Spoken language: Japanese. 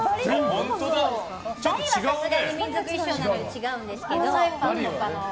バリはさすがに民族衣装なので違うんですけど。